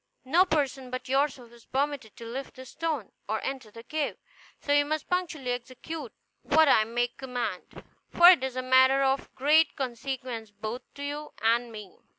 No person but yourself is permitted to lift this stone, or enter the cave; so you must punctually execute what I may command, for it is a matter of great consequence both to you and me."